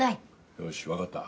よしわかった。